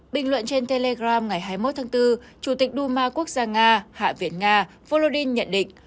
bình luận trên telegram ngày hai mươi một tháng bốn chủ tịch đu ma quốc gia nga hạ viện nga volodin nhận định